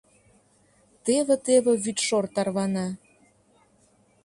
Теве-теве вӱдшор тарвана.